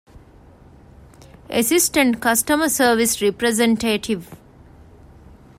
އެސިސްޓެންޓް ކަސްޓަމަރ ސަރވިސް ރެޕްރެޒެންޓޭޓިވް